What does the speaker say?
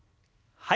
はい。